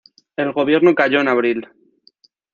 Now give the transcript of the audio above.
El gobierno cayó en abril.